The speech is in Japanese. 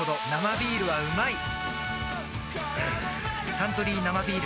「サントリー生ビール」